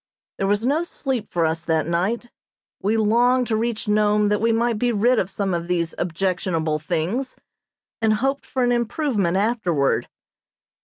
There was no sleep for us that night. We longed to reach Nome that we might be rid of some of these objectionable things, and hoped for an improvement afterward.